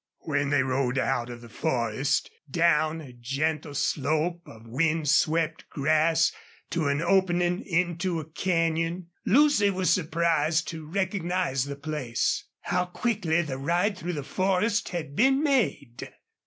When they rode out of the forest, down a gentle slope of wind swept grass, to an opening into a canyon Lucy was surprised to recognize the place. How quickly the ride through the forest had been made!